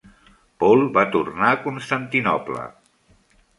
Paul va tornar a Constantinoble.